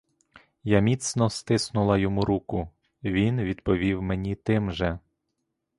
Я міцно стиснула йому руку, він відповів мені тим же.